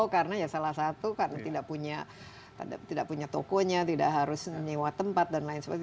karena ya salah satu karena tidak punya tokonya tidak harus menyiwa tempat dan lain sebagainya